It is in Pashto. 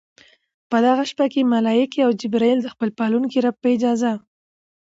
په دغه شپه کې ملائک او جبريل د خپل پالونکي رب په اجازه